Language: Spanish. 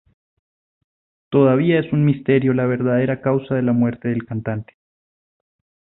Todavía es un misterio la verdadera causa de la muerte del cantante.